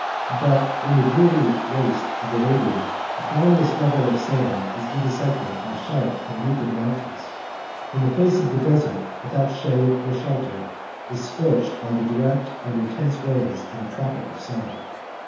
But in the dreary waste of Arabia, a boundless level of sand is intersected by sharp and naked mountains; and the face of the desert, without shade or shelter, is scorched by the direct and intense rays of a tropical sun.